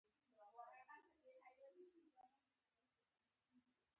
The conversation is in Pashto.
دا کار د ایکو سازمان په فعالیتونو کې لیدلای شو.